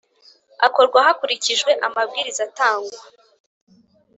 akorwa hakurikijwe amabwiriza atangwa